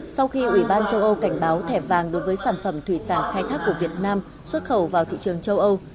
sau khi ủy ban châu âu cảnh báo thẻ vàng đối với sản phẩm thủy sản khai thác của việt nam xuất khẩu vào thị trường châu âu